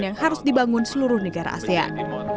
yang harus dibangun seluruh negara asean